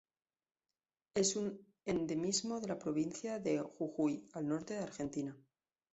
Es un endemismo de la Provincia de Jujuy al norte de Argentina.